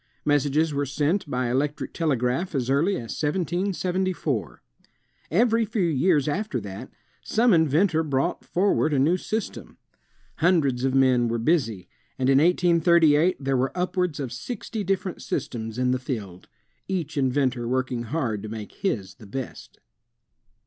Messages were sent by electric telegraph as early as 1774. Every few years after that, some inventor brought for ward a new system. Hundreds of men were busy, and in 1838 there were upwards of sixty different systems in the field, each inventor working hard to make his the best.